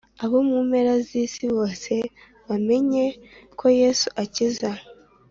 Abo mumpera z’isi bose bamenye ko yesu akiza